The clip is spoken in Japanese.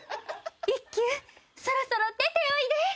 一休そろそろ出ておいで！